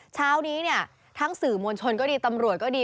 เช้านี้เนี่ยทั้งสื่อมวลชนก็ดีตำรวจก็ดี